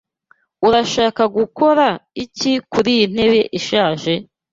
Urashaka gukora iki kuriyi ntebe ishaje?